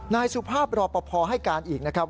นายสุภาพรอปภให้การอีกนะครับ